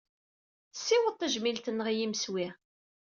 Ssiweḍ tajmilt-nneɣ i yimsewwi.